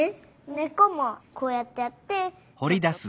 ねっこもこうやってやってとっとく。